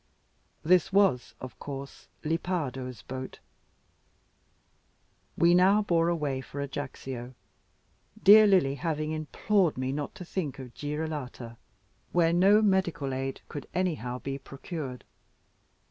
This was, of course, Lepardo's boat. We now bore away for Ajaccio, dear Lily having implored me not to think of Girolata, where no medical aid could anyhow be procured.